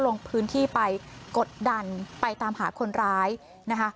ลงพื้นที่ไปกดดันไปตามหาคนร้ายนะคะ